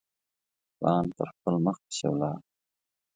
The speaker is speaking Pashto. پلان پر خپل مخ پسي ولاړ.